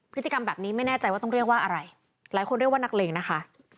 พฤติกรรมแบบนี้ไม่แน่ใจว่าต้องเรียกว่าอะไรหลายคนเรียกว่านักเลงนะคะ